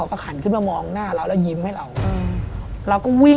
ออกมาทำอะไร